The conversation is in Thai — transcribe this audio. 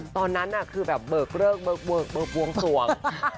ตอนนั้นน่ะคือแบบเบิกเลิกเบิกเบิกเบิกบวงสวง